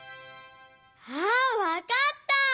あわかった！